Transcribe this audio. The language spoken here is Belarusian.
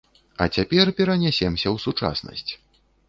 А цяпер перанясемся ў сучаснасць.